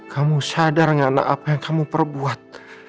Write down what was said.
kamu sadar gak nak apa yang kamu perbuat